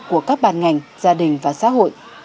của các bàn ngành gia đình và xã hội